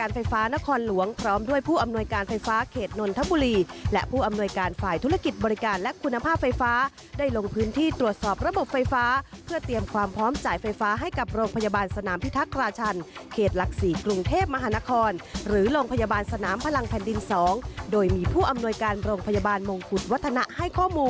ติดตามเรื่องนี้จากรายงานค่ะ